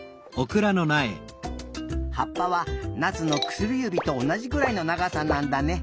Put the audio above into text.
はっぱはなつのくすりゆびとおなじぐらいのながさなんだね。